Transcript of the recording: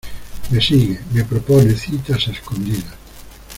me sigue, me propone citas a escondidas.